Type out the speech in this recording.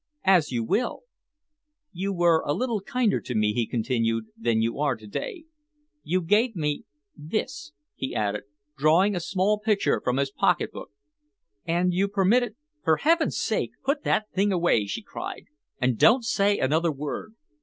"As you will." "You were a little kinder to me," he continued, "than you are to day. You gave me this," he added, drawing a small picture from his pocketbook, "and you permitted " "For heaven's sake, put that thing away," she cried, "and don't say another word!